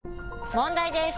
問題です！